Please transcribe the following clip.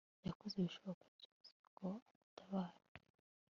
yakoze ibishoboka byose ngo amutabare